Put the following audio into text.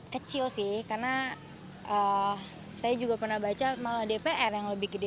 kecil sih karena saya juga pernah baca malah dpr yang lebih gede